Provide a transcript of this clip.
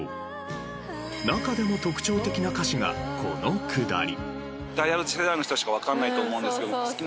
中でも特徴的な歌詞がこのくだり。